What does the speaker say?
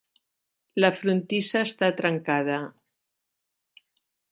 La frontissa està trencada.